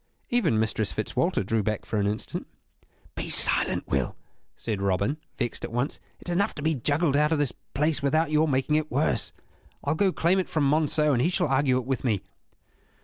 Even Mistress Fitzwalter drew back for an instant. "Be silent, Will," said Robin, vexed at once. "It is enough to be juggled out of this prize without your making it worse. I'll go claim it from Monceux and he shall argue it with me."